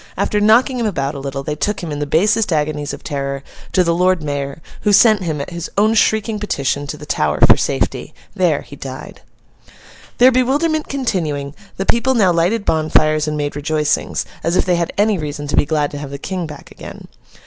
After knocking him about a little, they took him, in the basest agonies of terror, to the Lord Mayor, who sent him, at his own shrieking petition, to the Tower for safety. There, he died. Their bewilderment continuing, the people now lighted bonfires and made rejoicings, as if they had any reason to be glad to have the King back again.